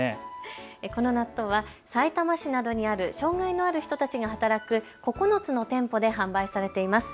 この納豆はさいたま市などにある障害のある人たちが働く９つの店舗で販売されています。